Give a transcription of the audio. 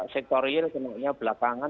sektoril kena belakangan